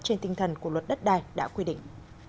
trên tinh thần của luật đất đai đã quy định